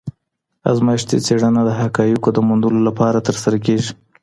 ازمایښتي څېړنه د حقایقو د موندلو لپاره ترسره کيږي.